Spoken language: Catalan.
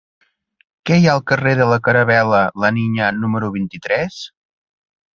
Què hi ha al carrer de la Caravel·la La Niña número vint-i-tres?